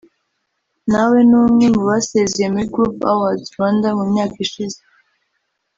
nawe ni umwe mu basezeye muri Groove Awards Rwanda mu myaka ishize